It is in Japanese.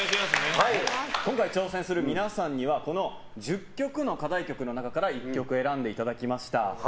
今回、挑戦する皆さんにはこの１０曲の課題曲の中から１曲選んでいただきました。